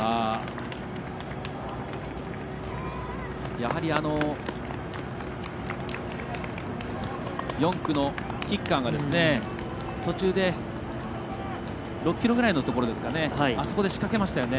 やはり、４区の吉川が途中で６ｋｍぐらいのところであそこで仕掛けましたよね。